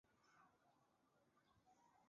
配楼的风格和主楼类似。